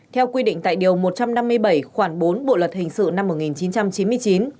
theo quy định tại điều một trăm năm mươi bảy khoảng bốn bộ luật hình sự năm một nghìn chín trăm chín mươi chín